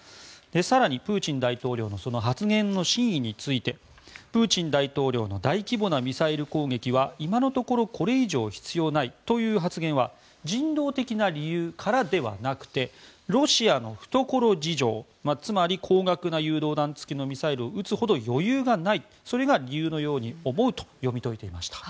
更に、プーチン大統領の発言の真意についてプーチン大統領の大規模なミサイル攻撃は今のところこれ以上必要ないという発言は人道的な理由からではなくてロシアの懐事情、つまり高額な誘導弾付きのミサイルを撃つほど余裕がないそれが理由のように思うと読み解いていました。